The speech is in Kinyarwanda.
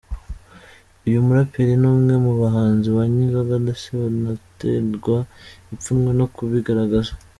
Uyu muraperi ni umwe mu bahanzi banywa inzoga ndetse batanaterwa ipfunwe no kubigaragaza .